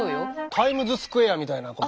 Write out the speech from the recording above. タイムズスクエアみたいなこと？